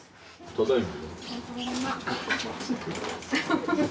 ただいま。